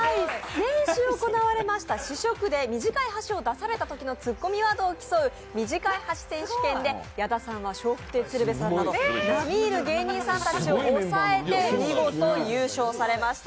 先週行われました試食で短い箸を出されたときのツッコミワードを競う短い箸選手権で矢田さんは笑福亭鶴瓶など並みいる芸人さんたちを抑えて見事優勝されました。